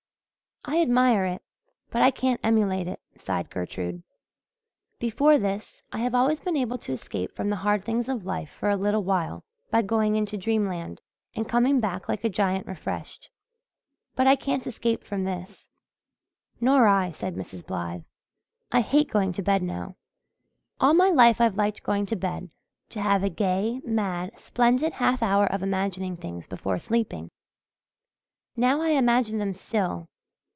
"I admire it but I can't emulate it," sighed Gertrude. "Before this, I have always been able to escape from the hard things of life for a little while by going into dreamland, and coming back like a giant refreshed. But I can't escape from this." "Nor I," said Mrs. Blythe. "I hate going to bed now. All my life I've liked going to bed, to have a gay, mad, splendid half hour of imagining things before sleeping. Now I imagine them still.